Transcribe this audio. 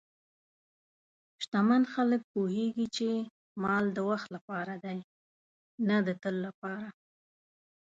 شتمن خلک پوهېږي چې مال د وخت لپاره دی، نه د تل لپاره.